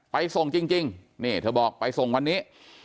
ไปส่งจริงนี่เธอบอกไปส่งวันนี้